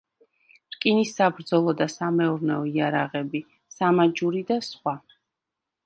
რკინის საბრძოლო და სამეურნეო იარაღები, სამაჯური და სხვა.